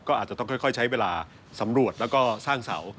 ก็อาจจะต้องค่อยใช้เวลาสำรวจแล้วก็สร้างเสา